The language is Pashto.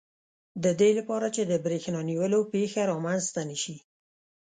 د دې لپاره چې د بریښنا نیولو پېښه رامنځته نه شي.